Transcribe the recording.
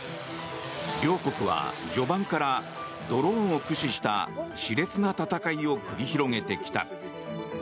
両国は序盤からドローンを駆使した熾烈な戦いを繰り広げてきた。